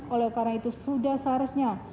oleh karena itu sudah seharusnya